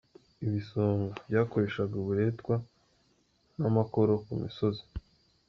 Ibisonga : Byakoreshaga uburetwa n’amakoro ku misozi.